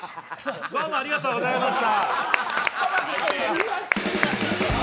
どうもありがうございました。